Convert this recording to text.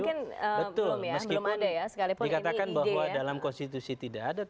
betul meskipun dikatakan bahwa dalam konstitusi tidak ada